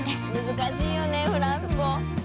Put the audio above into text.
難しいよねフランス語。